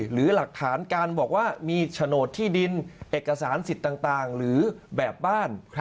หรือหลักฐานการบอกว่ามีโฉนดที่ดินเอกสารสิทธิ์ต่างหรือแบบบ้าน